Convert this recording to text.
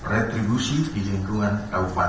retribusi di lingkungan kabupaten